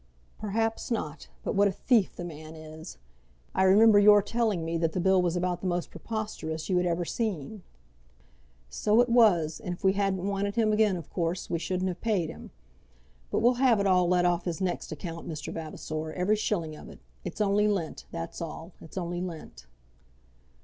"Perhaps not; but what a thief the man is! I remember your telling me that the bill was about the most preposterous you had ever seen." "So it was, and if we hadn't wanted him again of course we shouldn't have paid him. But we'll have it all off his next account, Mr. Vavasor, every shilling of it, It's only lent; that's all; it's only lent."